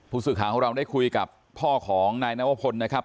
ผู้สื่อข่าวของเราได้คุยกับพ่อของนายนวพลนะครับ